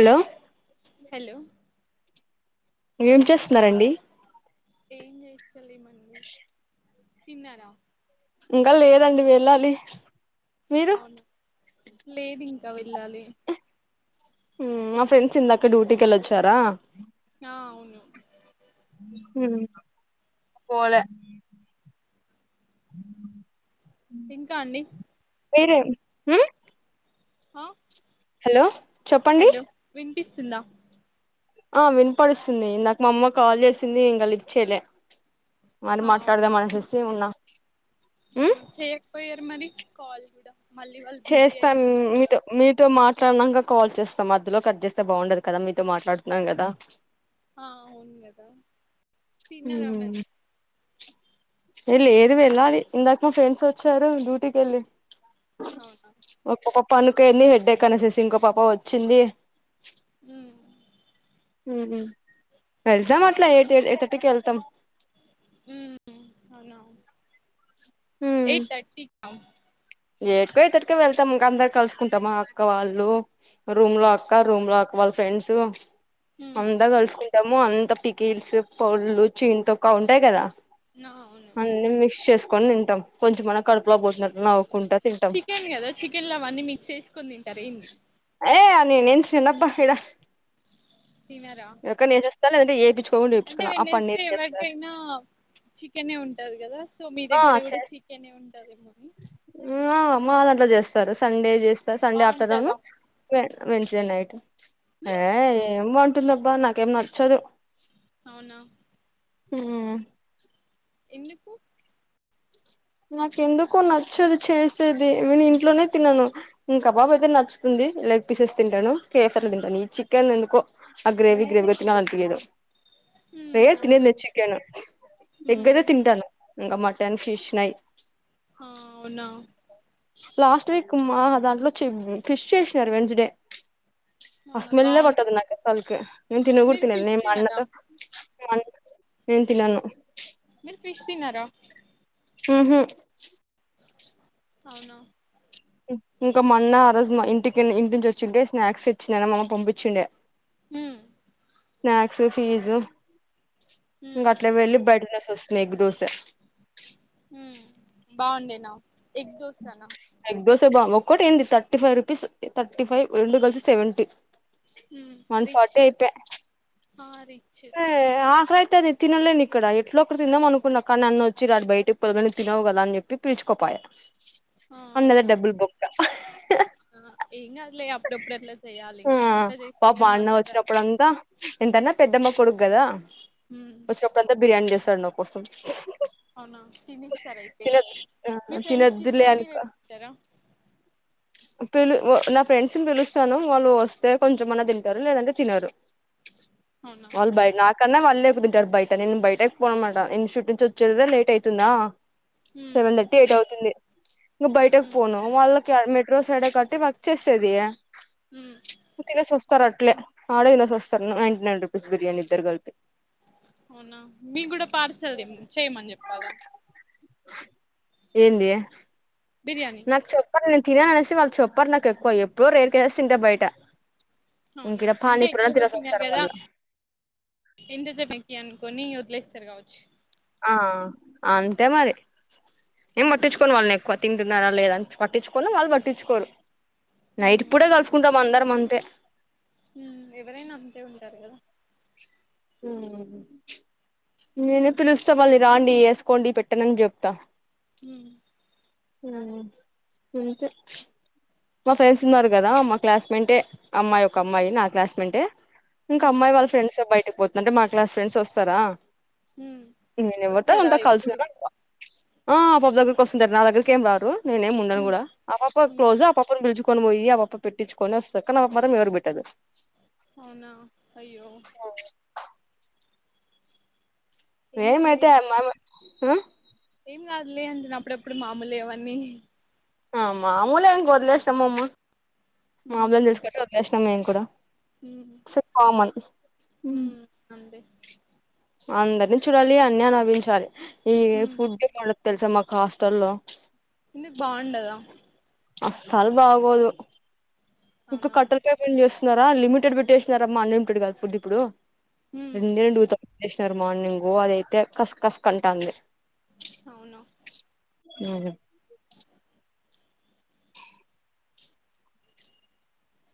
Hello hello ఏం చేస్తున్నరండి. ఏం చేస్తలేం అండి తిన్నరా ఇంకా లేదండి వెళ్ళాలి. మీరు అవునా లేద్ ఇం క వెళ్ళాలి హుమ్ మా ఫ్రెండ్స్ ఇందాక డ్యూటీకి వెళ్ళొచ్చారా ఆ అవును హుమ్ పోలే ఇంకా అండి వేరే హుమ్ ఆ హలో చెప్పండి హలో విన్ పిస్తుందా ఆ వినిపడుస్తుంది ఇందాక మా అమ్మ కాల్ చేసింది ఇంగ లిఫ్ట్ చేయలా మరి మాట్లాడదాం అనేసేసి ఉన్నా [inaudible] ఉమ్ చేయక్ పోయే మరి కాల్ కూడా మళ్ళీ వాళ్ళు బిజీ చేస్తాను అయిపోతారు కదా మీతో మీతో మాట్ నకా కాల్ చేస్తా మధ్యలో కట్ చేస్తే బాగుండదు కదా మీతో మాట్లాడుతున్నా కదా ఆ అవును కదా తిన్నారా మరీ ఏ లేదు వెళ్ళాలి ఇందాక మా ఫ్రెండ్స్ వచ్చారు డ్యూటీకి ఎళ్ళి అవున పనుకోయింది హెడేక్ అనేసేసి ఇంకో పాప వచ్చింది ఉమ్ హు హుమ్ వెళ్దా ఎట్లా ఎయిట్ ఎయిథర్టీకి ఎళ్తాం హుమ్ అవునా ఎయిట్ థర్టీ అవున్ ఎట్ కో ఎయిట్ థర్టీ కో వెళ్తాం ఇంకా అందరు కలుసుకుంటామా అక్క వాళ్ళు రూమ్ లో అక్క రూమ్ లో అక్క వాళ్ళ ఫ్రెండ్స్ ఉమ్ అంత కలుస్ కుంటము అంత పికిల్స్ పౌడ్రులు చింతొక్కు అవి ఉంటాయి కదా అవును అన్నీ మిక్స్ చేసుకొని తింటాం కొంచెం మన్నా కడుపులో పోతున్నట్లు అవ్ చికెన్ కదా చికెన్ లా అవన్నీ మిక్స్ చేసుకొని తిన్ తింటారెంది తినప్ప ఏడ తిన్నార తింటారంటే ఎపిచ్ అంటే వెన్నస్ ఎవరికైనా చికెన్ ఏ ఉంటది కదా సో మీ దగ్గర కూడా చికెనే ఉం ఊ ఆ మా దంట్లో చేస్తారు సండే చేస్త సార్ సండే ఆఫ్టర్నూన్ బాగుంటదా వెన్చడే నైట్ ఆ ఉమ్ ఏం బావుంటద్ కుంటందబ్బా నాకేం నచ్చదు అవునా మ్మ్ ఎందుకు నాక ఎందుకో నచ్చదు చేసేది నేను ఇంట్లోనే తిన్నాను ఇంకబాబు అయితే నచ్చుతుంది లెగ్ పీసెస్ తింటాను కేఫ్సో అలా తింటాను ఈ చికెన్ ఎందుకో ఆ గ్రేవీ గ్రేవీగా తినాలంపిలేదు రే ఉమ్ అవునా తినేది లేదు చికెన్ ఉమ్ ఎగ్గయితే తింటాను ఇంకా మటన్ ఫిష్ నయి [inaudible] ఆ అవునా లాస్ట్ వీక్ మా దాంట్లో [unintelligible] ఫిష్ చేసినారు వెంచ్డే ఆ అవునా స్మెల్ ఏ బాగుంది పట్టదు నాకసల్కి నేను తిననుగున మీరు ఫిష్ తినను అ తినరా అన్నతో నేను తినను మీరు ఫిష్ తినరా మ్మ్ హ్మ్ అవును ఇంకా మా అన్న ఆ రోజు మా ఇంటికి ఇంటి నుంచి వచ్చింటె స్నాక్స్ తెచ్చినాడా మా అమ్మ పంపించిండే మ్మ్ స్నాక్స్ ఫీజు ఇంక అట్లే వెళ్లి బయట తినేసి వస్తి నెగ్ దోస మ్మ్ బాగుండే నా ఎగ్ దోసెన ఒకటి ఏంది thirty five rupees thirty five రెండు కలిసి సెవెంటీ ఉమ్ వన్ రిచ్ ఫార్టీ అయిపాయ్ ఆ రిచ్ అతే అది తినలేని ఇక్కడ ఎట్ల ఒకటి తిందామనుకున్నా కానీ న అన్న వచ్చి రాడి బయటకి పోని తినవు కదా అని చెప్పి పిల్చుకోపోయా ఆ అన్నదే అవునా డబ్బుల్ బొక్క ఆ ఏంకాదులే అప్పుడప్పుడు అట్లా చేయాలి ఆ ఇంకా అట్లా చేస్తే పాపం కాని అన్న మజార అతాయి వచ్చినప్పుడంతా ఎంతన్నా పెద్దమ్మ కొడుకు కదా వచ్చినప్పుడంత బిర్యానీ తెస్తాండు కోసం అవునా తినేసేసార అయితే తినద్ ఆ మీ ఫ్రెండ్స్ కి తినద్దులే ఇస్తారా అనుక మిరే తింటారా పిలు నా ఫ్రెండ్స్ ని పిలుస్తాను వాళ్ళు వస్తే కొంచెంమన్నా తింటారు లేదంటే తినరు అవునా వాల్ బాయ్ నా కన్న వాళ్ళు లేకు తింటారు బయట నేను బయటకి పోను అన్నమాట ఇంస్టుట్ నుంచి వచ్చేదా లేట్ అయితుందా ఉమ్ సెవన్ థర్టీ ఎయిట్ అవు [inaudible] తుంది ఇం బయటకి ఉమ్ పోను వాళ్ళ మెట్రో సైడ్ యి కట్టి వర్క్ చేసేది ఉమ్ తినేసోస్తరాళ్ ట్లే ఆదె తినేసోస్తారు నైంటీ నైన్ రుపీస్ బిర్యానీి ఇద్దరు కలిపి అవునా మీ కూడా పార్సల్ తే చేయమని చెప్పాలా [inaudible] ఏంది బిర్యానీి మరి నేను తినేసి వాళ్ళు చెప్పారు నాకు ఎక్కువ ఎప్పుడో రేర్కేస్తే తింటా బయట ఇంక అవునా ఈడ అంటే పానీపూరి అన్న ఎట్లాగో తినేసి తిన్నారు వస్తారు కదా వాళ్ళు ఎంత చెప్పకి అను కొన్ని వదిలేస్తారు కావచ్చు ఆ అంతే మరి ఏం పట్టించుకోను వాళ్ళని ఎక్కువ తింటున్నారా లేదాని పట్టించుకొను వాళ్ళు పట్టించుకోరు నైట్ పూటే కలుసుకుంటాం అందరం అం ంతే ఉ ఎవరైనా అంతే ఉంటారు కదా హు నేనే పిలుస్తా మళ్ళీ రాండి ఏసుకోండి పెటండి అని చెప్తా హ ఆ అంతే మా ఫ్రెండ్స్ ఉన్నారు కదా మా క్లాస్మేటే ఏ అమ్మాయి ఒక అమ్మాయి నా క్లాస్మేటే ఇంకా ఉమ్ అమ్మాయి వాళ్ళ ఫ్రెడ్స్తో బయటక్ పోతుందంటే మా క్లాస్ ఫ్రెండ్స్ వస్తారా ఉమ్ నిను ఎవరితో వస్తారా అంత కలిసి ఎప్పుడు ఉండను ఎక్కువ ఆ పది దగ్గరికోస్ నా దగ్గరకిం ఎం రాారు నేనెం ఉండను ఉమ్ కూడా ఆ పాప కి ఉమ్ క్లోజ ఆ పాప్ పిలుచుకొని పోయి అపాపకి పెటించుకొని వస్తాది కాని ఆమే మాత్రం ఎవరుకిపెట్టదు అవునా అయ్యొ ఏం కాదులే ఎమైతే అం ఆమె ఆ ఏం కాదులే అంటున్న అప్పుడప్పుడు మాములె అవన్నీ ఆ మాములే ఎంక వదిలేష్నా మమ్మ మా అబ్ ఉమ్ ప్రశణ మేం కూడా స కామన్ ఉ అంతె అందరినీ చూడాలి అన్ని అనుభవించాలి ఏ హ్మ్ ఫుడ్ తెలుసా మాకు హాస్టల్లో ఎందుకు బాగుండదా అస్సల్ బాగోదు ఇకా అవునా కట్టల్ కేక్ ఏంజెస్ లిమిటెడ్ పెట్టేసినారమ్మా అన్లిమిటెడ్ కాదు ఫుడ్ ఇప్పుడు హ్మ్ రెండె రెండుత టేషనర్ మార్నింగు అదైతే కస్ కస్క్ అంటంది అవును హ్మ్మ్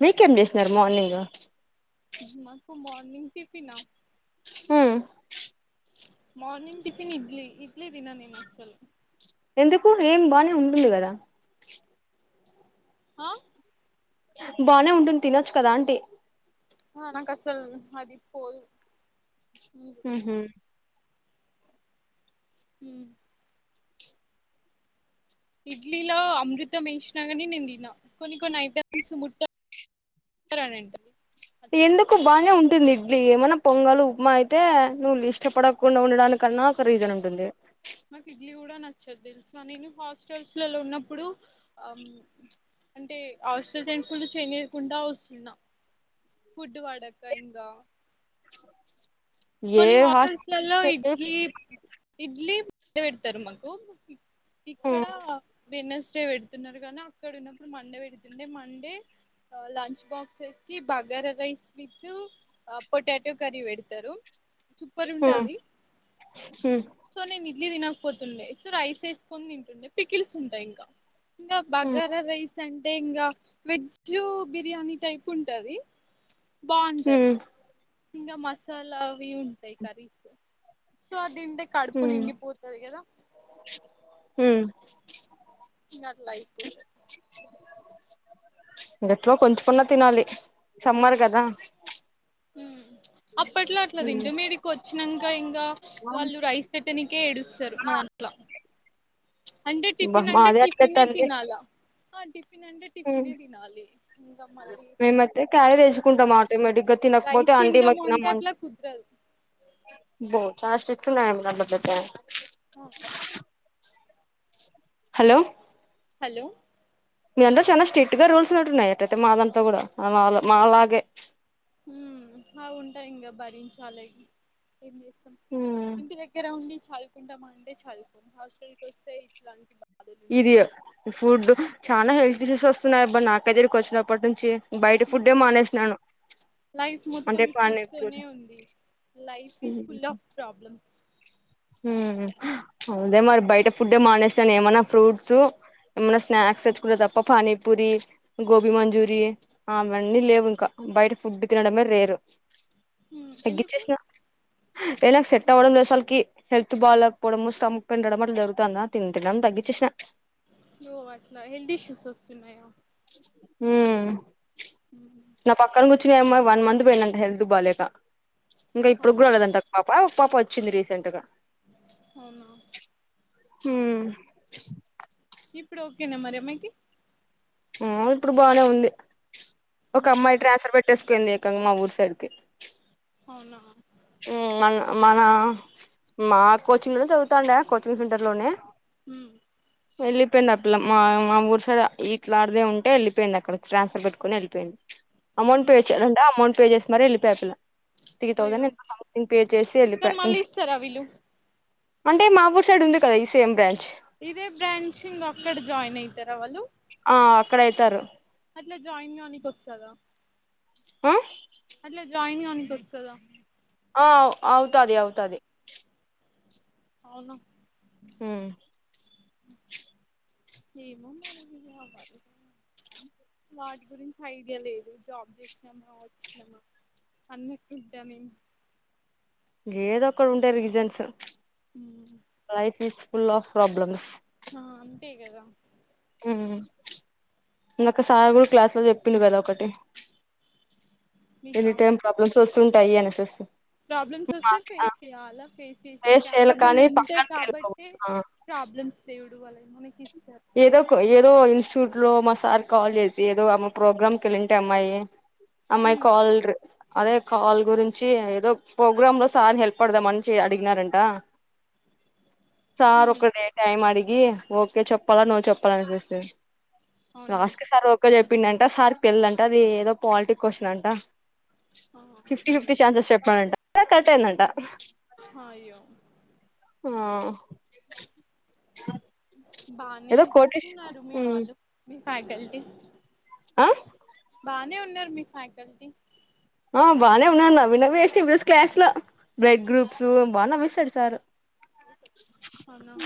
మీకేం చేసినారు మార్నింగ్ నింపి పి నా హ మార్నింగ్ టిఫిన్ ఇడ్లీ ఇడ్లీ తిన నేను అస్సలు ఎందుకు ఏం బానే ఉంటుంది కదా హా బానే ఉంటుంది తినొచ్చు కదా అంటి ఆ నాకు అసలు అదిపోదు ఊ హు హ ఇడ్లీలో అమృతం వేసినా కాని నేను తిన కొన్ని కొన్ని ఐటమ్స్ ముట్టనంట ఎందుకు బానే ఉంటుంది ఇడ్లి ఏమైన్నా పొంగల్ ఉప్మా అయితే నువ్వు ఇష్టపడకుండా ఉండడానికన్నా ఒక రీజన్ ఉంటుంది మాకు ఇడ్లీ కూడా నచ్చదు తెలుసా నేను హాస్టల్సలో ఉన్నప్పుడు ఆ అంటే హాస్టల్ టైం కూడ చేనియకుండా వస్తున్నా ఫుడ్ పడక ఇంకా ఏ కొన్ని హాస్ హోటల్సలో ఇడ్లీ ఇడ్లీ పేడతారు మకు ఇక్కడ హ్మ్ బెన్నెస్ ే పెడుతున్నారు కానీ అక్కడ ఉన్నప్పుడు మండే పెడుతుండే మండే లంచ్ బాక్స్ వేస్ bagara rice with potato curry పెడతారు సూపర్ హ్మ్ ఉంటవి హ్మ్ సో న ఇ తినకపోతుండే సో రైస్ వేసుకొని తింటుండే పికిల్స్ ఉంటాయి ఇంకా ఇంకా బగార రైస్ అంటే ఇంకా వెజ్ బిర్యానీ టైప్ ఉంటది బాంటది. హ్మ్ ఇంకా మసాలా అవి ఉంటాయి కర్రీస్ సో తింటే కడుపు నిండీ పో స్తది కదా హూ ఇన్గట్ల అయిపోతే గట్లో కొంచుమన్నా తినాలి సమ్మారు కదా ఊ అప్పట్లో అట్లదింటే మీది కొ చ్చినంగా ఇం కా వాళ్లు రైస్ పెట్ తనికీ ఏడు సరు మరట్ల అంటే బా టిఫిన్ అంటే మాది అట్లే టిఫిన్ తల్లి తినాలా ఆంటీ టిఫిన్ అంటే టిఫిన్ తినాలి ఇంకా మళ్ళీ మేమైతే క్యారీ దానికి తెచ్చుకుంటాం ఆటోమేటిక్ గా తినకపోతే రైస్ ఆంటీ మాకు తింటము అంటే అట్ల తినమంటే కుదరదు. ఫాస్ట్ ఇచ్చడు ఆమె దాంట్లో జెప్పే [inaudible] [inaudible] ఆ హలో హలో మీ దాంట్లో చాలా స్ట్రిక్ట్ గా రూల్స్ ఉట్టున్నాయి ఎటట మా దాంట్లో కూడా అవనవును మా లాగే ఊ హ ఉంటాయి ఇంకా భరించాలె ఏం చేస్తాం ఇంటి దగ్గర ఉండి చదుకుంట మంటే చదుకోను హాస్టల్ కి వస్తే ఇట్లాంటి బ ఇది యె ఫుడ్డు చానా జేష్ తీసెస్ వస్తున్నాయి అబ్బ నాకగ్గరకి ఒచ్చినప్పటి నుంచి బయట ఫుడ్డే మానేసినాను లైఫ్ మొత్తం అంటే ఇష్యూస్తోనే పానీపూరి ఉంది life is full of problems ఉహు అవున్లే మరి బయట ఫుడ్డే మానేసాను ఏమనా ఊ అవున్లే మరి ఫ్రూట్స్ ఏమనా స్నాక్స్ తెచ్చుకుంట తప్ప పానీపూరి గోబీ మంచూరి అవన్నీ లేవు ఇంకా బయట ఫుడ్ తినడమే రేరు మ్మ్. ఎందుకు తగ్గిచ్చసిన ఏ నాకు సెట్ అవ్వడం లేద్ అసలకి హెల్త్ బాగాలేకపోవడము స్టమక్ పిండడం అట్లా జరుగుతుందా తింటేని తగ్గించేసిన ఒ అట్ల హెల్ద్ ఇష్యూస్ వస్తున్నాయా ఊ ఊ కూర్చ ఏమో వన్ మంత్ పోయినంట హెల్త్ బాలేక ఇంకా ఇప్పుడు కూడా అవునా లేదంట ఒక పాప పాప వ చ్చింది రీసెంట్ గా అవునా ఊ ఇప్పుడు ఓకేనా మరి అమ్మేకి ఒ ఇప్పుడు బానే ఉంది ఒక మ్మ్. అమ్మాయ్ ట్రాసర్ బెట్ తిస్కుంది ఏకంగ మా ఊరు సైడ్కి అవునా ఊ మన మన మా కోచింగ్ లోనే చదువుతాండ కోచింగ్ సెంటర్ లోనే ఉ వెళ్ళిపోయింది ఆ పిల్ల మా మా ఊరు సైడ్ ఈ ఇట్లాడిదే ఉంటే వెళ్ళిపోయింది అక్కడికి ట్రాన్స్ఫర్ పెట్టుకుని వెళ్ళిపోయింది అమౌంట్ మ్మ్. వేచరంట అమౌంట్ పెళ్లి చేసినారు ఎళ్లిప ఆ పిల్ల త్రీ థౌసండ్ అయ్యో ఎంతెంత అమౌంట్ నేను పే చేసి ఎల్లిపోయ కానీ మళ్ళీ ఇన్స్టి ఇస్తారా వీళ్ళు అంటే మా ఊర్ సైడ్ ఉంది కదా ఈ సి ఎం బ్రాంచ్ ఇదే బ్రాంచింగ్ అక్కడ జాయిన్ అవుతారా వాళ్ళు ఆ అక్కడ అయితారు అట్లా జాయిన్ కానికి వస్తదా ఆ అట్లా జాయిన్ కానికి వస్తదా ఆ అవుతది అవుతది అవును ఉ ఏమో వాటి గురించి ఐడియా లేదు జాబ్ చేసినామా వచ్చినామా అన్నట్టుంట నేను ఏదొ అక్కడ ఉండే రీజన్స్ వాయిస్ తీస్ ఫుల్లాఫ్ ప్రాబ్లమ్స్ ఆ అంతే గదా అ ఇందక సారు గుడా క్లాస్ లో చెప్పిండు కదా ఒకటి మీకా ఎని టైమ్ ప్రబ్లాం వస్సుంటాయి అనేసేసి ప్రాబ్లమ్స్ వస్తే ఫేసు చేయల ఫేస్ చేసే చేయాలి క్యాపబుల్ కానీ ఉంటే పక్కనకి కాబట్టి వెళ్ళిపోకూడదు ఆ ప్రాబ్లమ్స్ యుడువలే ఏదో కో ఏదో ఇన్ షూట్ లో మా సార్ కాల్ చేసి ఏదో అమ్మ ప్రోగ్రాం కేళ్ళింటె అమ్మాయి అమ్మాయి హ్మ్ కాల్రు అదే కాల్ గురించి ఏదో ప్రోగ్రామ్ లో సార్ హెల్ప్ అడుగుదామని అడిగినారంట సార్ హ్మ్ ఒకడే టైం అడిగి ఓకే చెప్పాలా నో చెప్పాల అనిపిస్తది అవునా లాస్ట్కీ సార్ ఒకే చెప్ పిండంట సార్ తెళ్దంట అది ఏదో పాలిటి క్వశ్చన్ అంట ఆ ఫిఫ్టీ అవును ఫిఫ్టీ ఛాన్సెస్ చెప్పానంట ఇగ కటైందంట హయో అ బానే ఉన్నారు మీ మ్ వాళ్ళు ఫ్యాకల్టీ ఆ బానే ఉన్నారు మీ ఫ్యాకల్టీ ఆ బానే ఉన్నా నవ్వి నవ్వి వెస్ట్ క్లాస్ లో బ్లడ్ గ్రూప్స్ బాగా నవ్విస్తాడు సారు అవునా